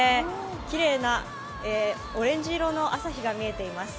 きれいなオレンジ色の朝日が見えています。